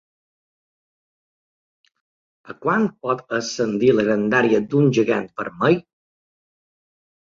A quant pot ascendir la grandària d'un gegant vermell?